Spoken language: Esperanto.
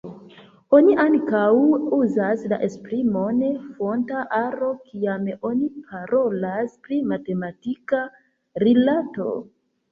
Oni ankaŭ uzas la esprimon «fonta aro» kiam oni parolas pri matematika rilato.